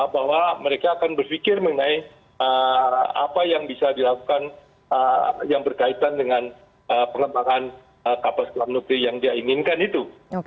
bahwa mereka akan berpikir mengenai apa yang bisa dilakukan yang berkaitan dengan pengembangan kapal selam negeri yang dia inginkan itu